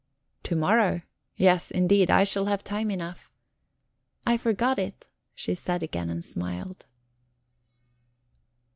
"To morrow? Yes, indeed. I shall have time enough." "I forgot it," she said again, and smiled.